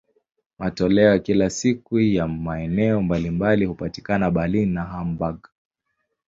Matoleo ya kila siku ya maeneo mbalimbali hupatikana Berlin na Hamburg.